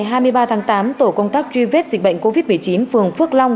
ngày hai mươi ba tháng tám tổ công tác truy vết dịch bệnh covid một mươi chín phường phước long